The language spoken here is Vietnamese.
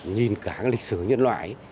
nhìn cả lịch sử nhân loại